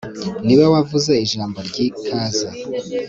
niwe wavuze Ijambo ryikaze